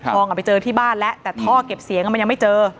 ไปเจอที่บ้านแล้วแต่ท่อเก็บเสียงมันยังไม่เจอ